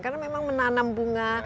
karena memang menanam bunga